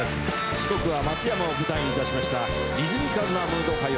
四国は松山を舞台にいたしましたリズミカルなムード歌謡。